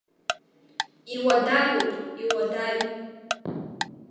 Иуадаҩуп, иуадаҩ.